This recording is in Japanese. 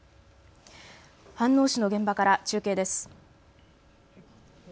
飯能市の現場から中継です。